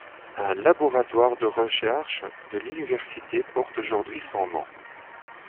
Un laboratoire de recherche de l'université porte aujourd'hui son nom.